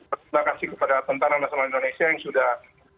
terima kasih kepada tentara nasional indonesia yang sudah